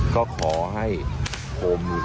ก็ขอให้โคมนี่